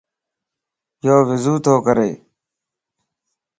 يو وضو تو ڪري